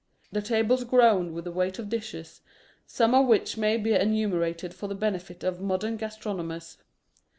The tables groaned with the weight of dishes, some of which may be enumerated for the benefit of modern gastronomers.